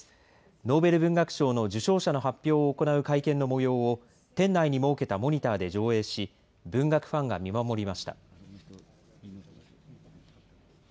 ノーベル文学賞の受賞者の発表を行う会見のもようを店内に設けたモニターで上映し文学ファンが見守りました。